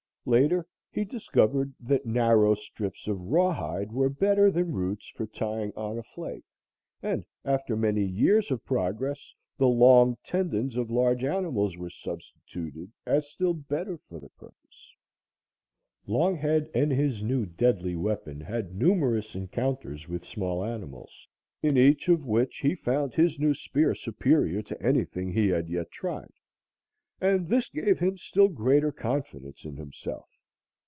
Later, he discovered that narrow strips of rawhide were better than roots for tying on a flake, and, after many years of progress, the long tendons of large animals were substituted as still better for the purpose. Longhead and his new deadly weapon had numerous encounters with small animals, in each of which he found his new spear superior to anything he had yet tried, and this gave him still greater confidence in himself.